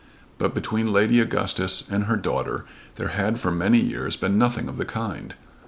But between Lady Augustus and her daughter there had for many years been nothing of the kind.